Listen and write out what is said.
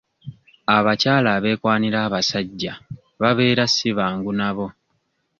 Abakyala abeekwanira abasajja babeera si bangu nabo.